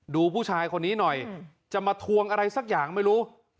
ดูผู้ชายคนนี้หน่อยจะมาทวงอะไรสักอย่างไม่รู้